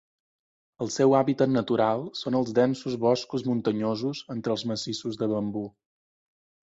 El seu hàbitat natural són els densos boscos muntanyosos entre els massissos de bambú.